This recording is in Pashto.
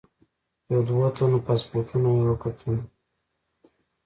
یو دوه تنو پاسپورټونه یې وکتل.